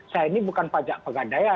saya ini bukan pajak pegadaian